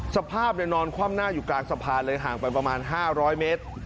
สภาพนอนคว่ำหน้าอยู่กลางสะพานเลยห่างไปประมาณ๕๐๐เมตร